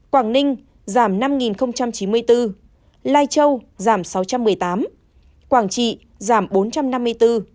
quảng ninh giảm năm chín mươi bốn lai châu giảm sáu trăm một mươi tám quảng trị giảm bốn trăm năm mươi bốn